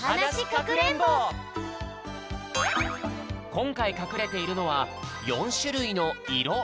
こんかいかくれているのは４しゅるいのいろ。